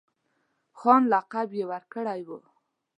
خان لقب یې ورکړی وو.